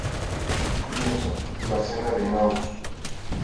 Lienzo: "La cena de Emaús".